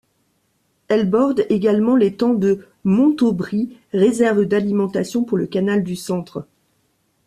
Elle borde également l’étang de Montaubry, réserve d’alimentation pour le canal du Centre.